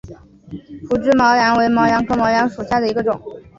匍枝毛茛为毛茛科毛茛属下的一个种。